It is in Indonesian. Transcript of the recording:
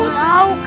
gak tau kak